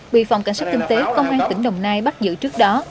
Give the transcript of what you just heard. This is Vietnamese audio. bị phòng cảnh sát kinh tế công an tỉnh đồng nai bắt giữ trước đó